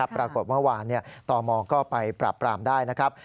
ปรากฏเมื่อวานตมก็ไปปราบปรามได้นะครับ